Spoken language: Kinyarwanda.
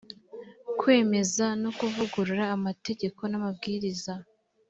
kwemeza no kuvugurura amategeko n amabwiriza